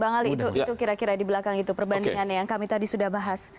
bang ali itu kira kira di belakang itu perbandingannya yang kami tadi sudah bahas